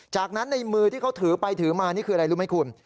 จากนั้นในมือที่เขาถือไปถือมานี่คืออะไรรู้ไหมคุณ